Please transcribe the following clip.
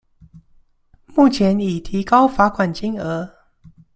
目前已提高罰款金額